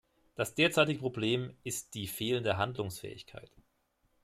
Das derzeitige Problem ist die fehlende Handlungsfähigkeit.